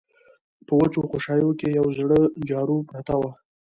په وچو خوشايو کې يوه زړه جارو پرته وه.